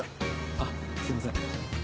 あっすいません。